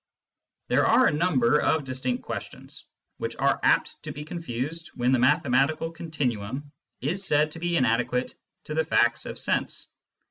There are a number of distinct questions which are apt to be confused when the mathematical continuum is said to be inadequate to the facts of sense.